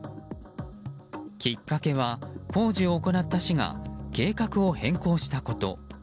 きっかけは、工事を行った市が計画を変更したこと。